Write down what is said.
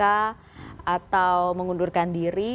atau mengundurkan diri